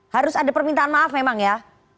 harus ada permintaan maaf memang ya